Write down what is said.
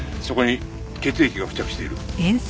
そこに血液が付着している。